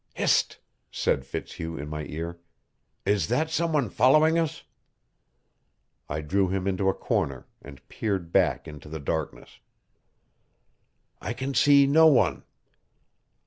"Hist!" said Fitzhugh in my ear. "Is that some one following us?" I drew him into a corner, and peered back into the darkness. "I can see no one."